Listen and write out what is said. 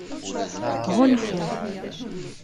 Ɣunfu.